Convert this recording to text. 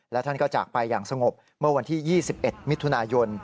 และท่านก็จากไปอย่างสงบเมื่อวันที่๒๑มิถุนายน